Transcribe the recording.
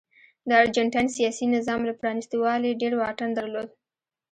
د ارجنټاین سیاسي نظام له پرانیستوالي ډېر واټن درلود.